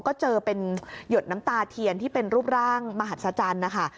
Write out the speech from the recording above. ก็เจอเป็นหยดน้ำตาเทียนที่เป็นรูปร่างมหัศจรรย์นะคะ